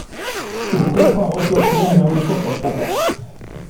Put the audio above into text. Urterako agortuak ziren Nauruko fosfatoak.